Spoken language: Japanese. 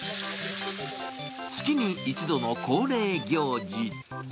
月に一度の恒例行事。